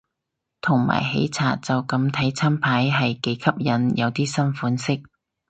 同埋喜茶就咁睇餐牌係幾吸引，有啲新款式